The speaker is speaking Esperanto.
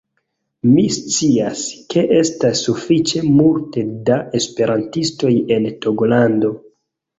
Mi scias, ke estas sufiĉe multe da esperantistoj en Togolando